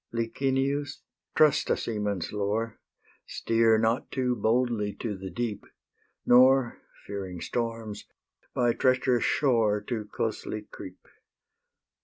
Licinius, trust a seaman's lore: Steer not too boldly to the deep, Nor, fearing storms, by treacherous shore Too closely creep.